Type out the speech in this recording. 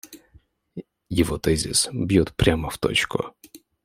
Его тезис бьет прямо в точку.